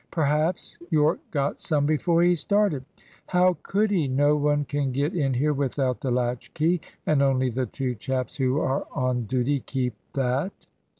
"Perhaps Yorke got some before he started?" "How could he? No one can get in here without the latch key; and only the two chaps who are on duty keep that."